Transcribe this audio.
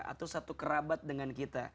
atau satu kerabat dengan kita